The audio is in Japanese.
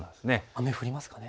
雨降りますかね。